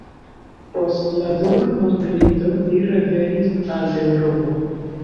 Post la dua mondmilito li revenis al Eŭropo.